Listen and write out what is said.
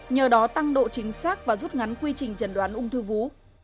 nhờ đó tăng độ chính xác và rút ngắn quy trình trần đoán ung thư vú